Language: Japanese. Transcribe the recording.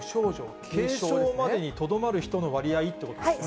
軽症までにとどまる人の割合ということですよね。